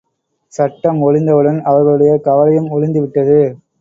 சட்டம் ஒழிந்தவுடன் அவர்களுடைய கவலையும் ஒழிந்து விட்டது.